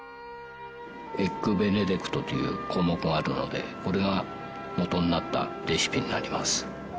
エッグベネディクトという項目があるのでこれが元になったレシピになります。